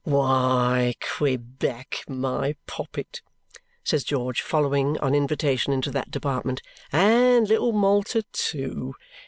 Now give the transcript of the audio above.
"Why, Quebec, my poppet," says George, following, on invitation, into that department. "And little Malta, too!